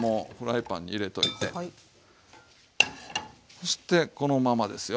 そしてこのままですよ。